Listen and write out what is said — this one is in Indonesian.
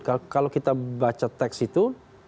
kalau kita baca teks itu